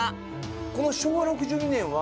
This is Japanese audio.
この昭和６２年は？